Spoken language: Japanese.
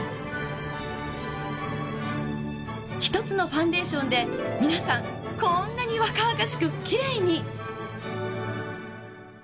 １つのファンデーションで皆さんこんなに若々しくきれいに。